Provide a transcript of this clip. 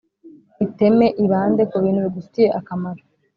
Iteme Ibande ku bintu bigufitiye akamaro